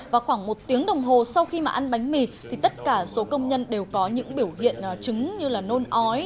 và khoảng một tiếng đồng hồ sau khi mà ăn bánh mì thì tất cả số công nhân đều có những biểu hiện chứng như là nôn ói